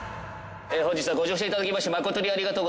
本日はご乗車いただきまして誠にありがとうございます。